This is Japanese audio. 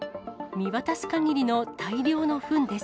見渡す限りの大量のふんです。